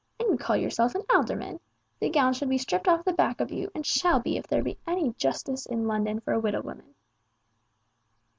And you call yourself an alderman! The gown should be stript off the back of you, and shall be, if there be any justice in London for a widow woman."